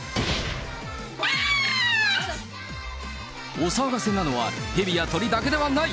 お騒がせなのは、ヘビや鳥だけではない。